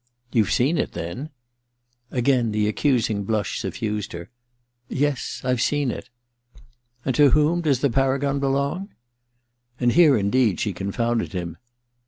* I ou've seen it, then ?' Again the accusing blush suffused her. < Yes — I've seen it.' ^ And to whom does the paragon belong ?' And here indeed she confounded him.